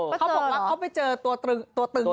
เขาบอกว่าเขาไปเจอตัวตึงที่สราดมากัน